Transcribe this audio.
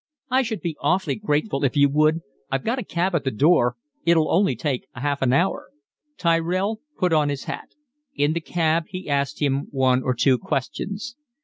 "I should be awfully grateful if you would. I've got a cab at the door. It'll only take half an hour." Tyrell put on his hat. In the cab he asked him one or two questions.